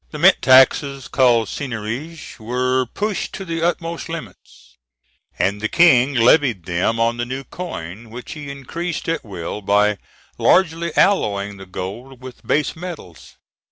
The mint taxes, called seigneuriage, were pushed to the utmost limits, and the King levied them on the new coin, which he increased at will by largely alloying the gold with base metals.